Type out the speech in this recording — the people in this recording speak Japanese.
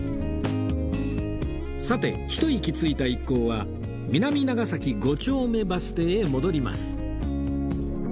さてひと息ついた一行は南長崎五丁目バス停へ戻ります